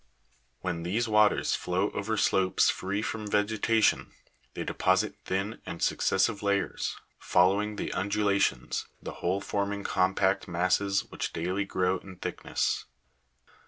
When these waters flow over slopes free from vegetation, they deposit thin and successive layers, following the undulations, the whole forming compact masses which daily grow in thickness.